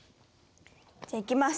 じゃいきます。